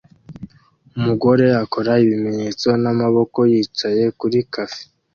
Umugore akora ibimenyetso n'amaboko yicaye kuri cafe